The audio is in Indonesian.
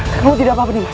kamu tidak apa apa nimas